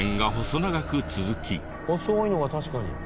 細いのが確かに。